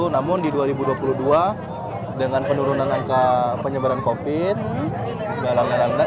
namun di dua ribu dua puluh dua dengan penurunan angka penyebaran covid sembilan belas